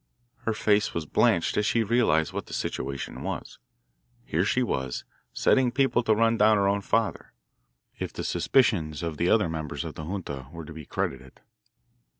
Her face was blanched as she realised what the situation was. Here she was, setting people to run down her own father, if the suspicions of the other members of the junta were to be credited.